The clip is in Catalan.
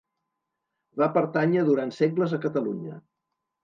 Va pertànyer durant segles a Catalunya.